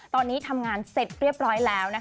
ตอนนี้ทำงานเสร็จเรียบร้อยแล้ว